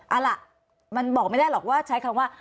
เอาล่ะมันบอกไม่ได้หรอกว่าใช้คำว่า